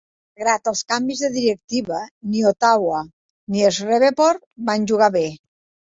Malgrat els canvis de directiva ni Ottawa ni Shreveport van jugar bé.